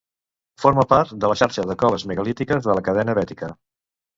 Forma part de la xarxa de coves megalítiques de la cadena bètica.